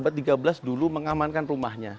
dulu abad tiga belas mengamankan rumahnya